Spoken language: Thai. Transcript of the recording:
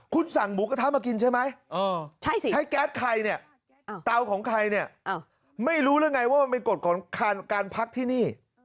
คุณสั่งหมูกระทะมากินใช่ไหมใช้แก๊สใครเนี่ยเตาของใครเนี่ยไม่รู้หรือไงว่ามันเป็นกฎของการพักที่นี่